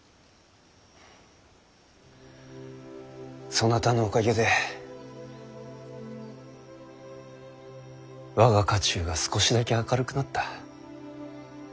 そなたのおかげで我が家中が少しだけ明るくなった。